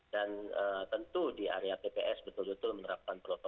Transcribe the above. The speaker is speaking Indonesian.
dan tentu di area tps betul betul menerapkan perusahaan